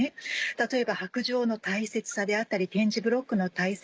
例えば白杖の大切さであったり点字ブロックの大切さ。